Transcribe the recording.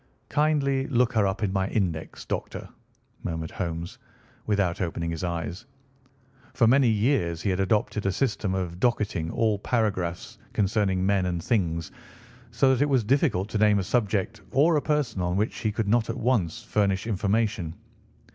"Kindly look her up in my index, Doctor," murmured Holmes without opening his eyes. For many years he had adopted a system of docketing all paragraphs concerning men and things, so that it was difficult to name a subject or a person on which he could not at once furnish information.